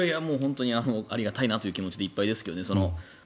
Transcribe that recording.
ありがたいなという気持ちでいっぱいですけどね。